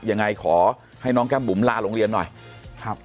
ยังไงขอให้น้องแก้มบุ๋มลาโรงเรียนหน่อยครับ